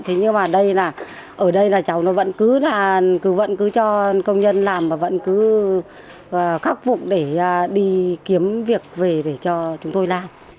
thế nhưng mà đây là ở đây là cháu nó vẫn cứ là cứ vẫn cứ cho công nhân làm và vẫn cứ khắc vụ để đi kiếm việc về để cho chúng tôi làm